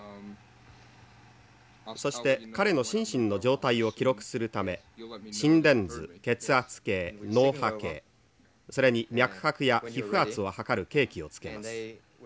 「そして彼の心身の状態を記録するため心電図血圧計脳波計それに脈拍や皮膚圧を測る計器をつけます」。